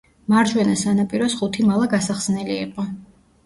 მარჯვენა სანაპიროს ხუთი მალა გასახსნელი იყო.